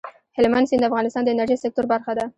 هلمند سیند د افغانستان د انرژۍ سکتور برخه ده.